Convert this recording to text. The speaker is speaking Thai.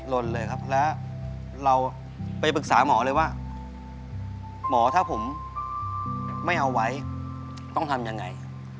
ลนเลยครับแล้วเราไปปรึกษาหมอเลยว่าหมอถ้าผมไม่เอาไว้ต้องทำยังไง